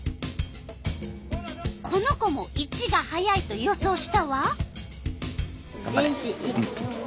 この子も①が速いと予想したわ。